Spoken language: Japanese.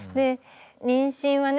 妊娠はね